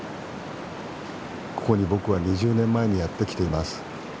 ここに僕は２０年前にやって来ています。